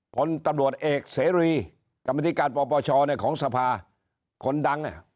ผลตรวจเอกเสรีกรรมธิการปปชเนี่ยของสภาคนดังเนี่ย